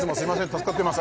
助かってます